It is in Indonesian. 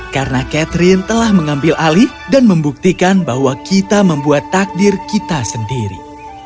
karena catherine telah mengambil alih dan membuktikan bahwa kita membuat takdir kita sendiri